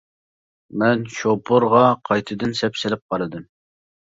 مەن شوپۇرغا قايتىدىن سەپ سېلىپ قارىدىم.